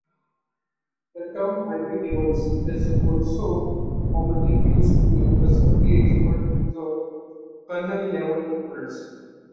The term "iptables" is also commonly used to inclusively refer to the kernel-level components.